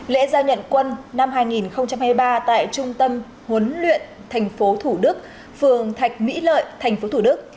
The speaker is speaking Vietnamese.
lễ giao nhận quân năm hai nghìn hai mươi ba tại trung tâm huấn luyện thành phố thủ đức phường thạch mỹ lợi tp thủ đức